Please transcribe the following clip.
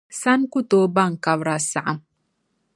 Sana ku tooi baŋ kabira saɣim.